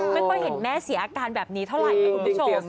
ไม่ค่อยเห็นแม่เสียอาการแบบนี้เท่าไหร่นะคุณผู้ชม